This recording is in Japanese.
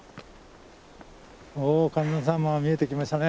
お観音様が見えてきましたね。